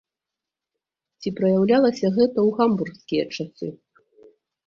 Ці праяўлялася гэта ў гамбургскія часы?